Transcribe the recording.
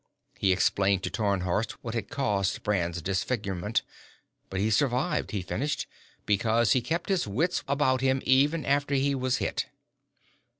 He explained to Tarnhorst what had caused Brand's disfigurement. "But he survived," he finished, "because he kept his wits about him even after he was hit."